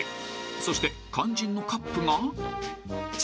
［そして肝心のカップが］